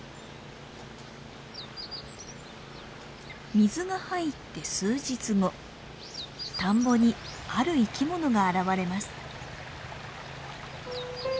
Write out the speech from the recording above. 水が入って数日後田んぼにある生き物が現れます。